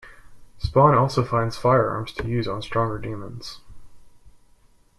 Spawn also finds firearms to use on stronger demons.